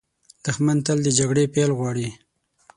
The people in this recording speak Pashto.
دښمن تل د جګړې پیل غواړي